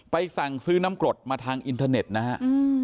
สั่งซื้อน้ำกรดมาทางอินเทอร์เน็ตนะฮะ